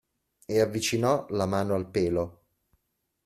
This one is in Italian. E avvicinò la mano al pelo.